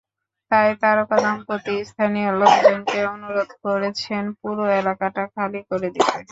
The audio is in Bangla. তাই তারকাদম্পতি স্থানীয় লোকজনকে অনুরোধ করেছেন, পুরো এলাকাটা খালি করে দিতে।